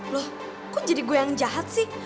loh kok jadi gue yang jahat sih